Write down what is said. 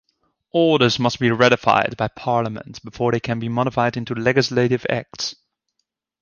Orders must be ratified by Parliament before they can be modified into legislative Acts.